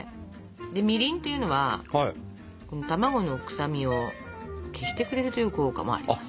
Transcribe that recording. みりんっていうのは卵の臭みを消してくれるという効果もあります。